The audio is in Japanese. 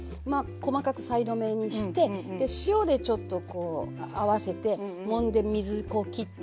細かくさいの目にして塩でちょっとこう合わせてもんで水こう切っといて。